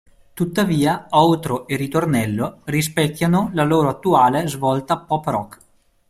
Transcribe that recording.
Tuttavia outro e ritornello rispecchiano la loro attuale svolta pop rock.